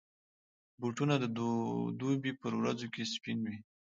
بوټونه د دوبي پر ورځو کې سپین وي.